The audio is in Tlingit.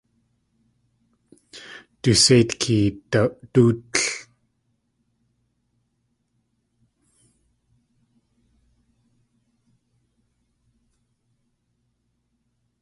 Du séit keedadútl!